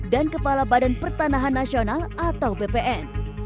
dan kepala badan pertanahan nasional atau bpn